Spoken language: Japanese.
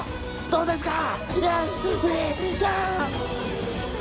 どうですか！？